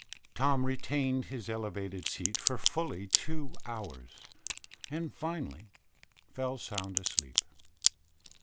Tom retained his elevated seat for fully two hours, and finally fell sound asleep.